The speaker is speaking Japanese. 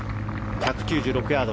１９６ヤード。